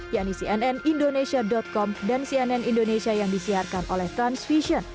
yakni cnnindonesia com dan cnn indonesia yang disiarkan oleh transvision